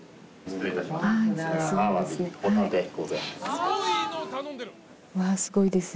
失礼いたします。